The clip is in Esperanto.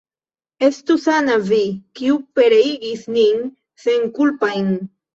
Estu sana vi, kiu pereigis nin senkulpajn!